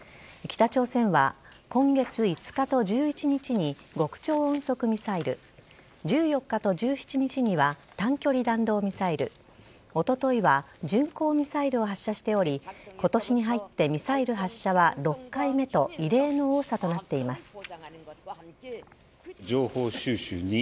北朝鮮は今月５日と１１日に極超音速ミサイル１４日と１７日には短距離弾道ミサイルおとといは巡航ミサイルを発射しており今年に入ってミサイル発射は６回目と異例の多さとなっています。